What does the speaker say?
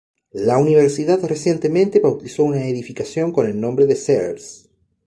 La Universidad recientemente bautizó una edificación con el nombre de Sears.